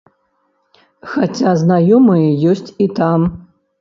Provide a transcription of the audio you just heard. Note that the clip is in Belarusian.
Хаця знаёмыя ёсць і там.